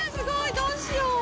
どうしよう。